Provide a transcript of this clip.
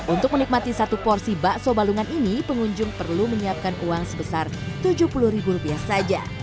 untuk menikmati satu porsi bakso balungan ini pengunjung perlu menyiapkan uang sebesar tujuh puluh ribu rupiah saja